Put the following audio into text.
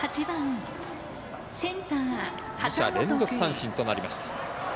２者連続三振となりました。